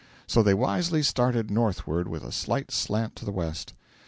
So they wisely started northward, with a slight slant to the west.